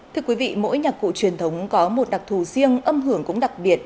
thưa quý vị mỗi nhạc cụ truyền thống có một đặc thù riêng âm hưởng cũng đặc biệt